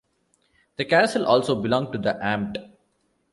The castle also belonged to the "Amt".